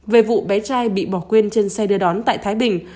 về vụ bé trai bị bỏ quên trên xe đưa đón tại thái bình